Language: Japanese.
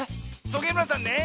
トゲむらさんね